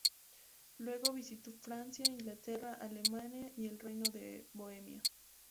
Luego visitó Francia, Inglaterra, Alemania y el Reino de Bohemia.